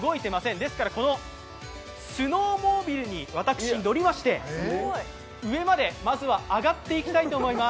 ですから、このスノーモービルに私乗りまして、上までまずは上がっていきたいと思います。